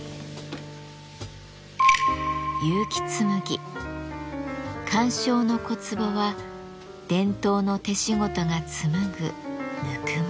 結城紬鑑賞の小壺は伝統の手仕事が紡ぐぬくもり。